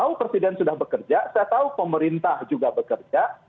kalau presiden sudah bekerja saya tahu pemerintah juga bekerja